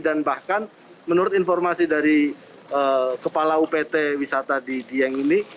dan bahkan menurut informasi dari kepala upt wisata di dieng ini